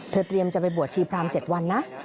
เธอเตรียมจะไปบวกชีพรรมเจ็ดวันนะ